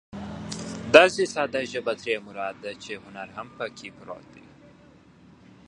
داسې ساده ژبه ترې مراد ده چې هنر هم پکې پروت وي.